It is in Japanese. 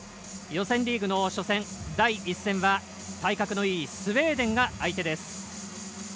予選リーグの初戦、第１戦は体格のいいスウェーデンが相手。